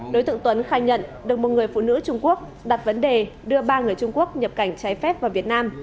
đối tượng tuấn khai nhận được một người phụ nữ trung quốc đặt vấn đề đưa ba người trung quốc nhập cảnh trái phép vào việt nam